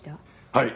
はい。